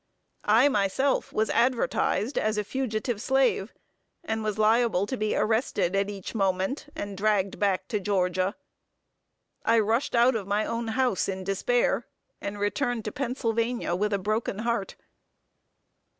I myself was advertised as a fugitive slave, and was liable to be arrested at each moment, and dragged back to Georgia. I rushed out of my own house in despair and returned to Pennsylvania with a broken heart.